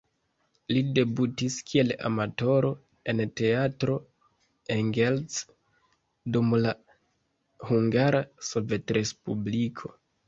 Li debutis kiel amatoro en "Teatro Engels" dum la Hungara Sovetrespubliko.